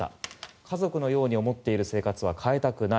家族のように思っている生活は変えたくない。